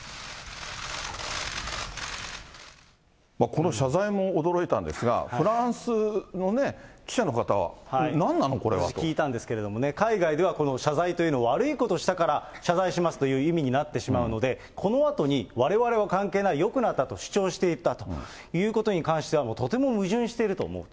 この謝罪も驚いたんですが、フランスの記者の方は、聞いたんですけれどもね、海外では、この謝罪というのは、悪いことしたから謝罪しますという意味になってしまいますので、このあとに、われわれは関係ない、よくなったと主張していたことについては矛盾していると思う。